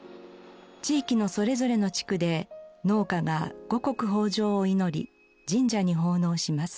地域のそれぞれの地区で農家が五穀豊穣を祈り神社に奉納します。